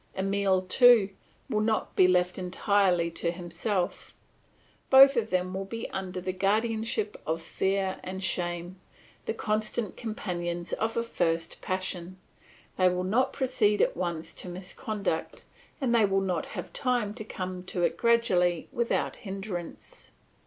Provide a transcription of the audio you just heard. Emile, too, will not be left entirely to himself; both of them will be under the guardianship of fear and shame, the constant companions of a first passion; they will not proceed at once to misconduct, and they will not have time to come to it gradually without hindrance.